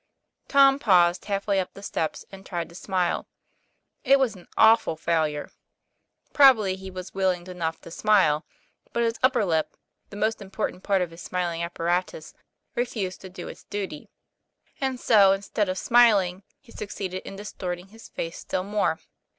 Tom paused half way up the steps, and tried to smile. It was an awful failure. Probably he was willing enough to smile, but his upper lip, the most important part of his smiling apparatus, refused to do its duty: and so instead of smiling he succeeded in distorting his face still more.